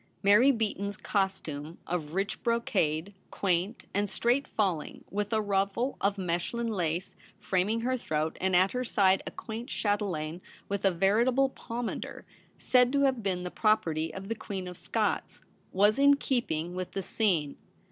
Mary Beaton's costume of rich brocade, quaint and straight falling, with a full ruffle of Mech lin lace framing her throat, and at her side a quaint chatelaine with a veritable pomander, said to have been the property of the Queen of Scots, was in keeping with the scene.